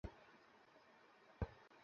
এইটা পরে দেখো।